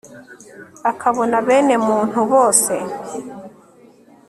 akabona bene muntu bose